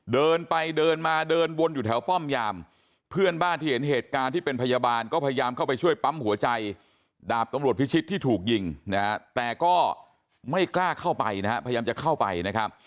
เดินไปเดินมาเดินวนอยู่แถวป้อมยามเพื่อนบ้านที่เห็นเหตุการณ์ที่เป็นพยาบาลก็พยายามเข้าไปช่วยปั๊มหัวใจดาบตำรวจพิชิตที่ถูกยิงนะฮะแต่ก็ไม่กล้าเข้าไปนะฮะพยายามจะเข้าไปนะครับ